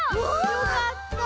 よかった！